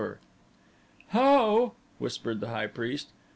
"How?" whispered the high priest.